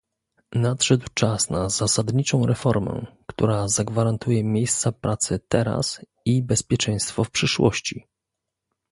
Nadszedł czas na zasadniczą reformę, która zagwarantuje miejsca pracy teraz i bezpieczeństwo w przyszłości